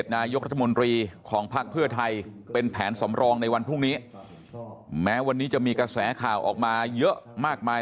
นายกรัฐมนตรีของภักดิ์เพื่อไทยเป็นแผนสำรองในวันพรุ่งนี้แม้วันนี้จะมีกระแสข่าวออกมาเยอะมากมาย